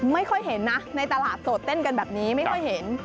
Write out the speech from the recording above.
ไม่ค่อยเห็นนะในตลาดสดเต้นกันแบบนี้ไม่ค่อยเห็น